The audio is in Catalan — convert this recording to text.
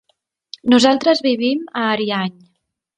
Nosaltres vivim a Ariany.